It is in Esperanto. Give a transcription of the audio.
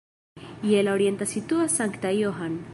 Je la orienta situas Sankta Johann.